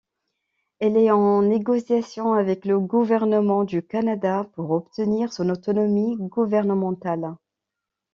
Elle est en négociation avec le gouvernement du Canada pour obtenir son autonomie gouvernementale.